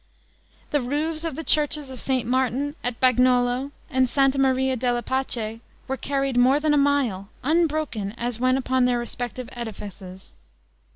The roofs of the churches of St. Martin, at Bagnolo, and Santa Maria della Pace, were carried more than a mile, unbroken as when upon their respective edifices.